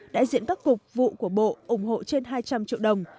đại diện các cục vụ của bộ ủng hộ trên hai trăm linh triệu đồng